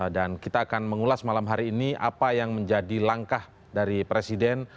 dan kita akan mengulas malam hari ini apa yang menjadi langkah dari presiden